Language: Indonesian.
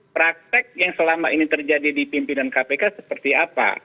praktek yang selama ini terjadi di pimpinan kpk seperti apa